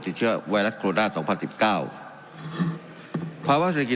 เชื้อไวรัสโคโรนาสองพันสิบเก้าภาวะเศรษฐกิจ